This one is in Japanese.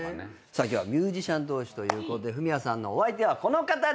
今日はミュージシャン同士ということでフミヤさんのお相手はこの方です。